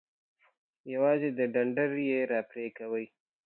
یوازې د ډنډره یی را پرې کوئ.